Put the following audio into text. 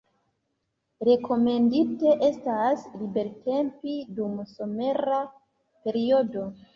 Rekomendite estas libertempi dum somera periodo.